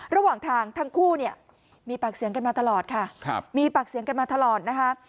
ระหว่างทางทั้งคู่เนี่ยมีปากเสียงกันมาตลอดค่ะมีปากเสียงกันมาตลอดนะคะ